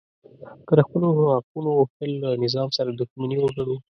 که د خپلو حقونو غوښتل له نظام سره دښمني وګڼو